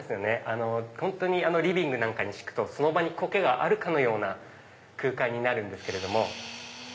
本当にリビングなんかに敷くとその場にコケがあるかのような空間になるんですけれども。